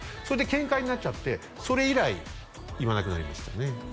それでケンカになっちゃってそれ以来言わなくなりましたね